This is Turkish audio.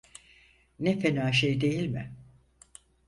Ne fena şey değil mi?